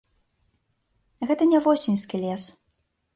Гэта не восеньскі лес.